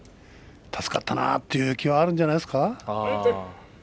助かったなという気はあるんじゃないですか。